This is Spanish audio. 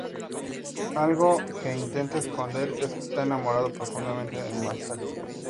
Algo que intenta esconder es que está enamorado profundamente de Masaki.